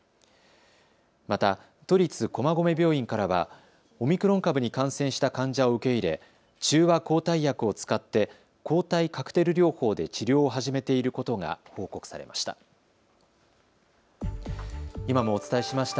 また、都立駒込病院からはオミクロン株に感染した患者を受け入れ中和抗体薬を使って抗体カクテル療法で治療を始めていることが報告されました。